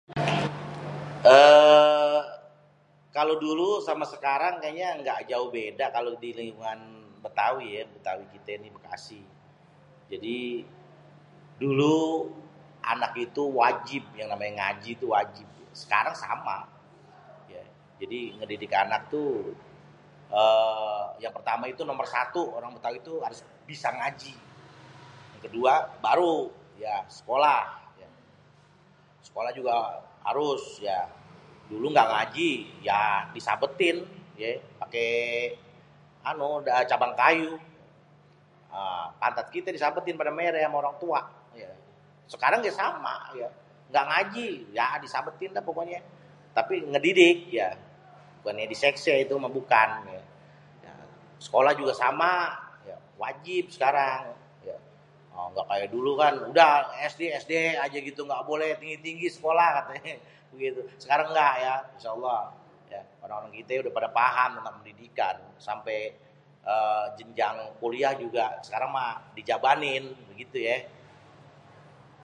êê kalo dulu sama sekarang kayényé gajauh bèda kalo di lingkungan bètawi yé bètawi kité bèkasi, jadi, dulu anak itu wajib yang namanya ngaji itu [wajib] , sekarang sama [yé], jadi ngedidik anak tuh êê yang pertama itu nomor satu itu orang bêtawi itu harus bisa ngaji, yang kedua baru [ya] sekolah, sekolah juga harus [ya] dulu ga ngaji [ya] di sabêtin [yé] paké anu dah cabang kayu êê pantat kité di sabètin padè merah ama orang tua, sekarang gè sama [yé] ga ngaji [ya] di sabètin dah pokonyê tapi ngedidik [yè] bukannyé di séksé itumah bukan, sekolah juga sama [yé] juga wajib sekarang juga ga kaya dulu kan ésdé-ésdé ajé gitu gaboleh tinggi-tinggi sekolah katényé begitu sekarang enggak insyaolloh orang-orang kitè udéh padè paham tentang pendidikan sampé êê jenjang kuliah juga sekarang mah bisa dijabanin begitu [yé].